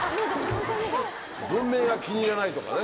文明が気に入らないとかね